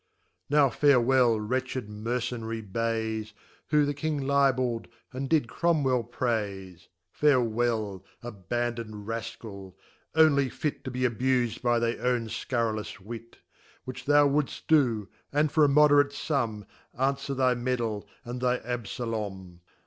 Now farewel wretched Mercenary Bayes, Who the ifitfg Libell'd, and did Cromwel praife. Farewel, abandon'dRafcal ! only fit To be abus'd by thy own fcurrilous Wit. Which thou wouldft do, and for a Moderate Sum, Anfwer thy Medal, and thy Abfolom.